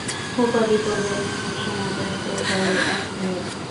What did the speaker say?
উপাধি প্রদানের ঘোষণা দেন তোফায়েল আহমেদ।